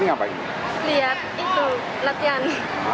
lihat itu latihan